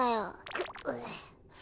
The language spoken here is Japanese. くっ。